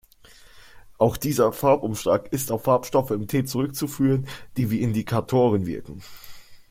Auch dieser Farbumschlag ist auf Farbstoffe im Tee zurückzuführen, die wie Indikatoren wirken.